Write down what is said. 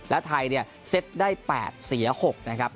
และไทยเซตได้๘เสีย๖นะครับ